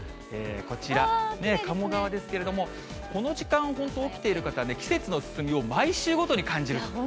こちら、鴨川ですけれども、この時間、本当起きている方、季節の進みを、毎週ごとに感じると。